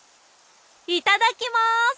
いただきます！